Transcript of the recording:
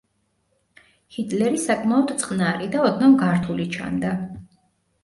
ჰიტლერი საკმაოდ წყნარი და ოდნავ გართული ჩანდა.